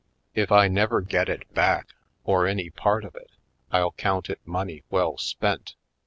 If I never get it back, or any part of it, I'll count it money well spent.